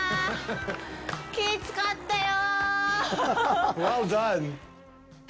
きつかったよ！